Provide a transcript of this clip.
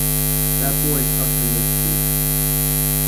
That boy is up to mischief.